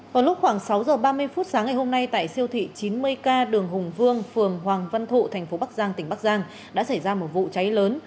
vào lúc khoảng sáu h ba mươi phút sáng ngày hôm nay tại siêu thị chín mươi k đường hùng vương phường hoàng văn thụ thành phố bắc giang tỉnh bắc giang đã xảy ra một vụ cháy lớn